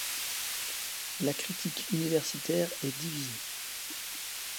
La critique universitaire est divisée.